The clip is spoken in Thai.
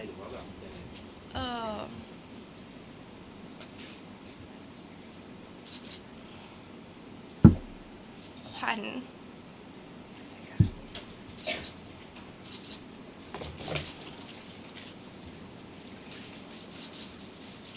แต่ขวัญไม่สามารถสวมเขาให้แม่ขวัญได้